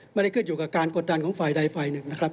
ไม่ได้ขึ้นอยู่กับการกดดันของฝ่ายใดฝ่ายหนึ่งนะครับ